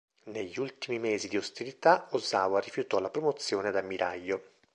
Negli ultimi mesi di ostilità Ozawa rifiutò la promozione ad ammiraglio.